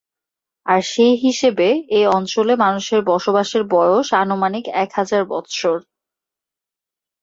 আর সেই হিসেবে এ অঞ্চলে মানুষের বসবাসের বয়স আনুমানিক এক হাজার বৎসর।